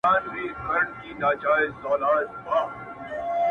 سوما د مرگي ټوله ستا په خوا ده په وجود کي;